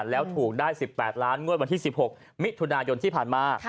แล้วถูกได้๑๘ล้านงวดวันที่๑๖มิถุนายนที่ผ่านมา